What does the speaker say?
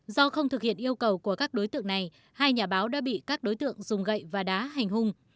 do không thực hiện yêu cầu của các đối tượng này hai nhà báo đã bị các đối tượng dùng gậy và đá hành hung